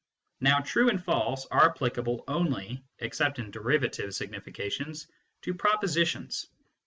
Now "true" and " false " are applicable only except in derivative signifi cations to propositions.